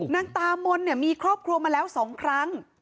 นางตามนเนี่ยมีครอบครัวมาแล้ว๒ครั้ง